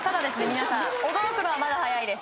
皆さん驚くのはまだ早いです